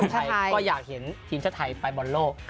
เช่นไทยก็อยากเห็นทีมชาตาไทยไปบนโลก